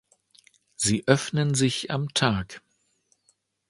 Sie öffnen sich am Tag.